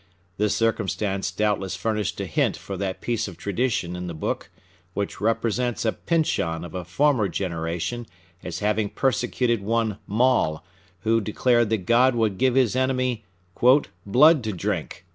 This circumstance doubtless furnished a hint for that piece of tradition in the book which represents a Pyncheon of a former generation as having persecuted one Maule, who declared that God would give his enemy "blood to drink."